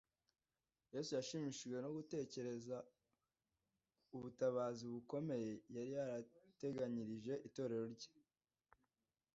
Yesu yashimishijwe no gutekereza ubutabazi bukomeye yari yarateganyirije itorero rye.